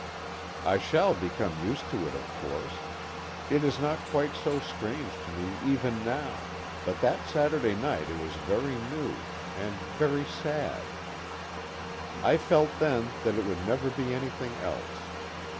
I shall become used to it of course. It is not quite so strange to me even now, but that Saturday night it was very new and very sad; I felt then that it would never be anything else.